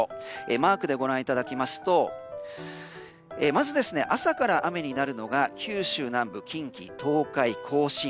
マークでご覧いただくとまず朝から雨になるのが九州南部、近畿・東海、甲信